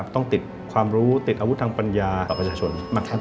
ต้องติดความรู้ติดอาวุธทางปัญญาต่อประชาชน